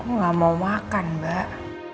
aku gak mau makan mbak